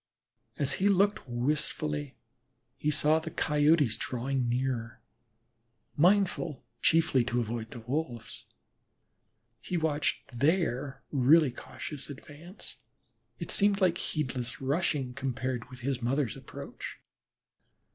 As he looked wistfully he saw the Coyotes drawing nearer, mindful chiefly to avoid the Wolves. He watched their really cautious advance; it seemed like heedless rushing compared with his mother's approach.